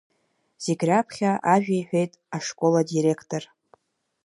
Зегь раԥхьа ажәа иҳәеит ашкол адиректор.